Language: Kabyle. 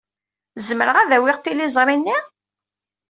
Zemreɣ ad awiɣ tiliẓri-nni?